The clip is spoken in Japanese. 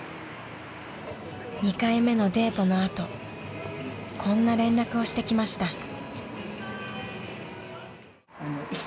［２回目のデートの後こんな連絡をしてきました］